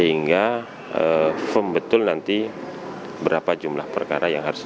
di rumah pemilu kompas tv independen dan dua belas calon anggota dpd